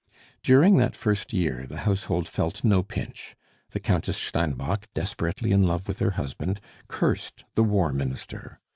During that first year the household felt no pinch; the Countess Steinbock, desperately in love with her husband cursed the War Minister.